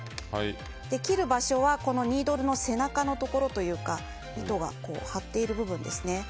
切る場所はニードルの背中のところというか糸が張っている部分ですね。